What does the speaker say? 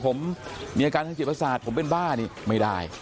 ผมมีอาการทางจิตประสาทผมเป็นบ้านี่ไม่ได้